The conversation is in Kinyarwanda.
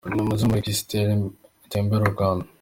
Nimutuze mureke isi itembere u Rwanda.”